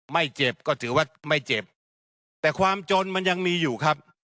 ไม่เจ็บก็ถือว่าไม่เจ็บแต่ความจนมันยังมีอยู่ครับ